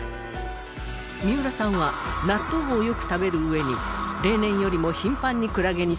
三浦さんは納豆をよく食べる上に例年よりも頻繁にクラゲに刺され。